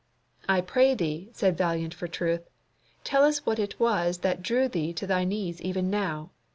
"I pray thee," said Valiant for truth, "tell us what it was that drew thee to thy knees even now.